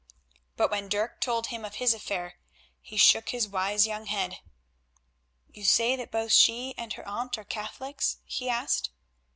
But when Dirk told him of his affair, he shook his wise young head. "You say that both she and her aunt are Catholics?" he asked.